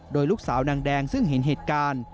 โดยลูกสาวนางแดงซึ่งเห็นเหตุการณ์